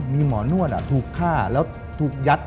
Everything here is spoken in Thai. มีหมอนวดถูกฆ่าแล้วถูกยัด